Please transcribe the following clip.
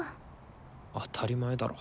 当たり前だろ。